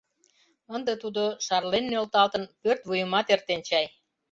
Ынде тудо, шарлен нӧлталтын, пӧрт вуйымат эртен чай?